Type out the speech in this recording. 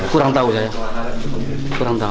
kurang tahu saya